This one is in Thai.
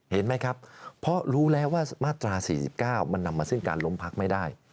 เห็นไหมครับเพราะรู้แล้วว่ามาตรา๔๙มันนำมาซึ่งการล้มพักไม่ได้